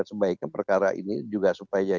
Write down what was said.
sebaiknya perkara ini juga supaya